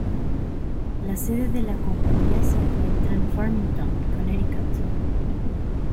La sede de la compañía se encuentra en Farmington, Connecticut.